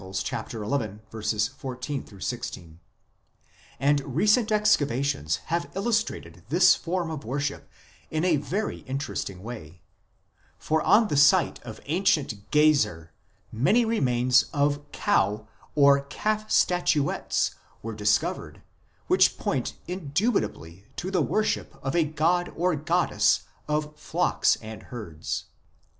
xi. 14 16, and recent excavations have illustrated this form of worship in a very interesting way, for on the site of ancient Gezer many remains of cow or calf statuettes were discovered which point indubitably to the worship of a god or goddess of flocks and herds.